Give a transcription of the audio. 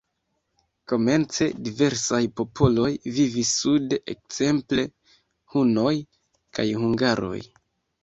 Komence diversaj popoloj vivis sude, ekzemple hunoj kaj hungaroj.